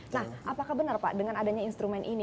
nah apakah benar pak dengan adanya instrumen ini